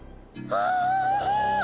ああ！